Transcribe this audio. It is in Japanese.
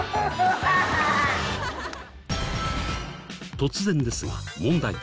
突然ですが問題です。